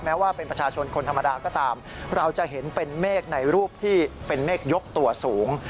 แม้ว่าเป็นประชาชนคนธรรมดาก็ตามเราจะเห็นเป็นเมฆในรูปที่เป็นเมฆยกตัวสูง